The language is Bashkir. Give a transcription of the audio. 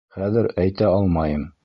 Хәҙер... әйтә алмайым.